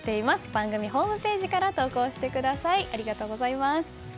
番組ホームページから投稿してください。